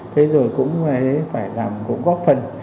thế rồi cũng phải làm góp phần